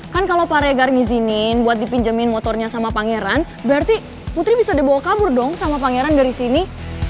kan kalau paregar ngizinin buat dipinjemin motornya sama pangeran berarti putri bisa dibawa kabur dong sama pangeran dari sini